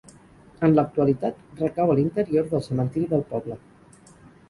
En l'actualitat recau a l'interior del cementiri del poble.